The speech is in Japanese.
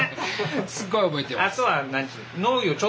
すっごい覚えてます。